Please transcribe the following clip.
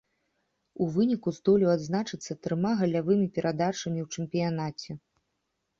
У выніку здолеў адзначыцца трыма галявымі перадачамі ў чэмпіянаце.